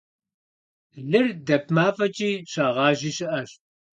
Лыр дэп мафӀэкӀи щагъажьи щыӀэщ.